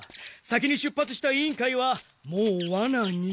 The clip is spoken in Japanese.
先に出発した委員会はもうワナに。